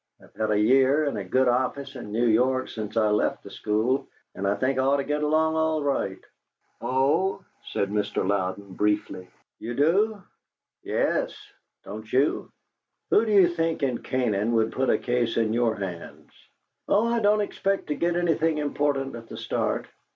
I've had a year in a good office in New York since I left the school, and I think I ought to get along all right." "Oh," said Mr. Louden, briefly. "You do?" "Yes. Don't you?" "Who do you think in Canaan would put a case in your hands?" "Oh, I don't expect to get anything important at the start.